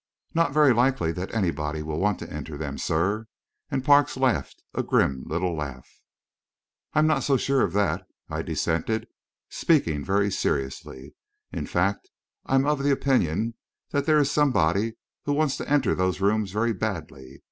"Not very likely that anybody will want to enter them, sir," and Parks laughed a grim little laugh. "I am not so sure of that," I dissented, speaking very seriously. "In fact, I am of the opinion that there is somebody who wants to enter those rooms very badly.